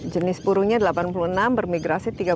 jenis burungnya delapan puluh enam bermigrasi tiga puluh